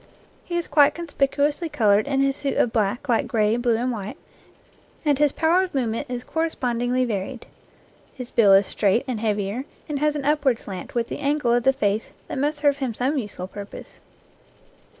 He is quite conspicuously colored in his suit of black, light gray, blue, and white, and his power of movement is correspondingly varied. His bill is straight and heavier, and has an upward slant with the angle of the face that must serve him some useful purpose.